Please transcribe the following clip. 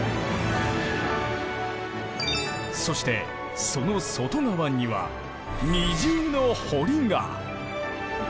そしてその外側には二重の堀が！